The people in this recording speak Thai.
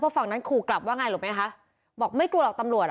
เพราะฝั่งนั้นขูกลับว่าไงหรอเปล่าคะบอกไม่กลัวหรอกตำรวจอ่ะ